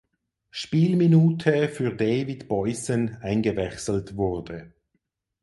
Spielminute für David Boysen eingewechselt wurde.